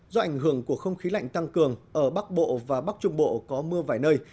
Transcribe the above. do ảnh hưởng của không khí lạnh tăng cường ở bắc bộ và bắc trung bộ có mưa vài nơi